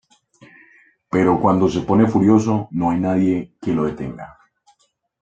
Pero cuando se pone furioso no hay nadie que lo detenga.